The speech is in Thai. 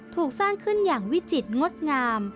ถูกสร้างขึ้นอย่างวิจิตรงดงาม